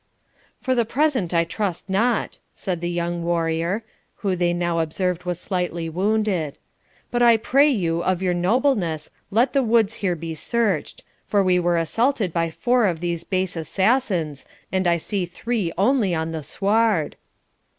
'For the present I trust not,' said the young warrior, who they now observed was slightly wounded; 'but I pray you, of your nobleness, let the woods here be searched; for we were assaulted by four of these base assassins, and I see three only on the sward.'